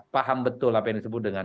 paham betul apa yang disebut dengan